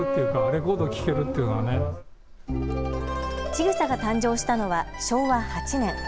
ちぐさが誕生したのは昭和８年。